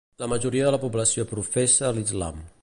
La majoria de la població professa l'Islam.